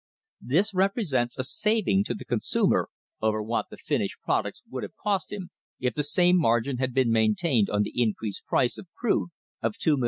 This represents a saving to the consumer over what the finished products would have cost him if the same margin had been maintained on the increased price of crude of $2,697,000.